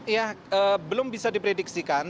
ya belum bisa diprediksikan